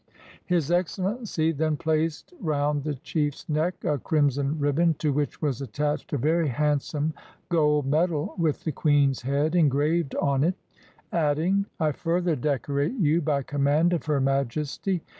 His Excellency then placed round the chief's neck a crimson ribbon, to which was attached a very hand some gold medal with the Queen's head engraved on it, adding: "I further decorate you, by command of Her Majesty.